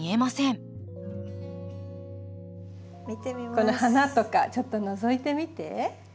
この花とかちょっとのぞいてみて。